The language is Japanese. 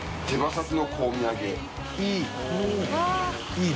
いい！